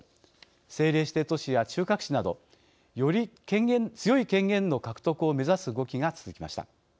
政令指定都市や中核市などより強い権限の獲得を目指す動きが続きました。